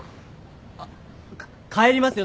あっかっ帰りますよ